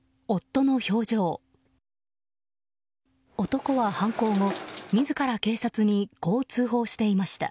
男は犯行後、自ら警察にこう通報していました。